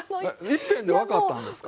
いっぺんで分かったんですか？